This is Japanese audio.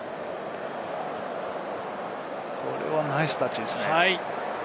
これはナイスタッチですね。